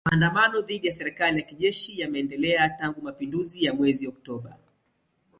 Maandamano dhidi ya serikali ya kijeshi yameendelea tangu mapinduzi ya mwezi Oktoba